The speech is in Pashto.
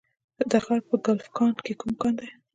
د تخار په کلفګان کې کوم کان دی؟